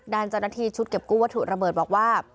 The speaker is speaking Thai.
ด้านเจ้าหน้าที่ชุดเก็บกู้วัตถุระเบิดบอกว่า